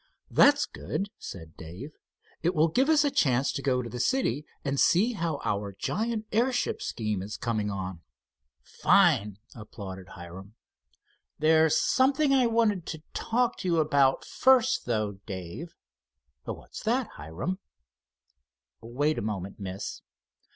"That's good," said Dave. "It will give us a chance to go to the city and see how our giant airship scheme is coming on." "Fine!" applauded Hiram. "There's something I wanted to talk to you about first, though, Dave." "What's that, Hiram?" "Wait a moment, Miss."